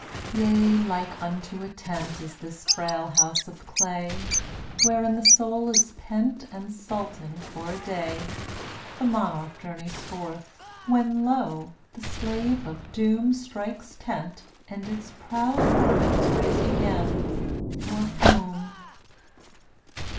169 Yea, like unto a tent d^tttAf Is this frail house of clay ^ Wherein the Soul is pent (JvC/ And sultan for a day. tiUYtCT The monarch journeys forth, J When lo! the slave of Doom Strikes tent, and its proud worth Is raised again — for whom?